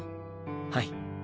はい。